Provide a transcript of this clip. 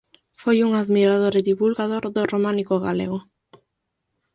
Foi un admirador e divulgador do románico galego.